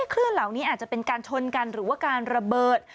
คลื่นเหล่านี้อาจจะเป็นการชนกันหรือว่าการระเบิด